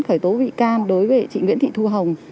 khởi tố bị can đối với chị nguyễn thị thu hồng